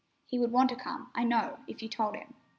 He would want to come, I know, if you told him.